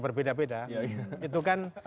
berbeda beda itu kan